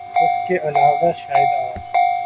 اس کے علاوہ شاید آ